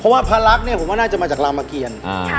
เพราะว่าพระรักเนี่ยผมว่าน่าจะมาจากรามเกียร